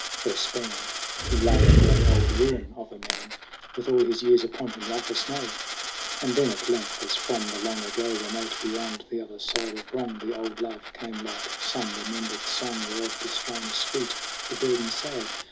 For a span He lay, a gray old ruin of a man With all his years upon him like a snow. And then at length, as from the long ago, Remote beyond the other side of wrong, The old love came like some remembered song Whereof the strain is sweet, the burden sad.